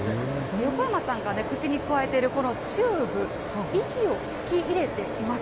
横山さんがね、口にくわえているこのチューブ、息を吹き入れています。